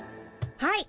はい。